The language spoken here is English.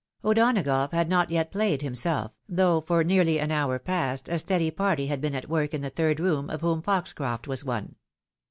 O'Donagough had not yet played himself, though for nearly an hour past a steady party had been at work in the third room of whom Foxcroft was one.